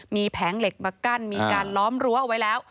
มีแผงเหล็กมากั้นมีการล้อมรั้วเอาไว้แล้ว